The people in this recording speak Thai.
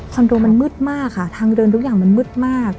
โดมันมืดมากค่ะทางเดินทุกอย่างมันมืดมาก